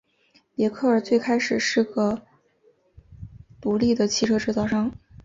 别克最开始是个独立的汽车制造商。